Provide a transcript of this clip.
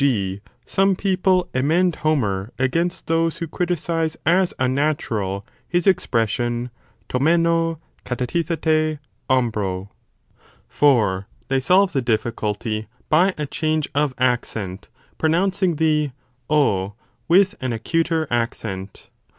g.) some people emend Homer against those who criticize as unnatural his expression TO yuei/ ov KararrvOfTai ofj./3pq>. 5 For they solve the difficulty by a change of accent, pronouncing the ov with an acuter accent.